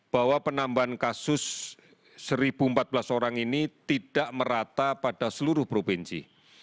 bahwa penambahan kasus satu empat belas orang ini tidak merata pada seluruh provinsi